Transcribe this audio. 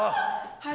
はい。